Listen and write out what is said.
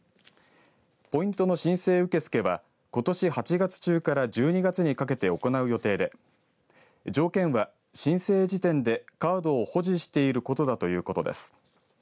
ポイントの申請受け付けはことし８月中から１２月にかけて行う予定で条件は申請時点でカードを保持していることだということです。